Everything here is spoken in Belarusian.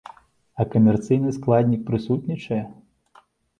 А камерцыйны складнік прысутнічае?